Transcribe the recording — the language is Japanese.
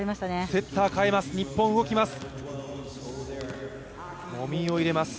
セッターを代えます、日本動きます。